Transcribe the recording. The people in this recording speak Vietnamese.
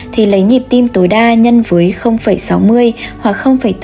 thì lấy nhịp tim tối đa nhân với sáu mươi hoặc tám mươi